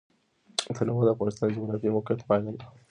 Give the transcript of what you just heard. تنوع د افغانستان د جغرافیایي موقیعت پایله ده.